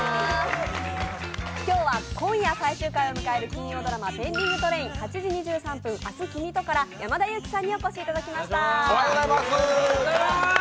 今日は今夜最終回を迎える金曜ドラマ「ペンディングトレイン−８時２３分、明日君と」から山田裕貴さんにお越しいただきました。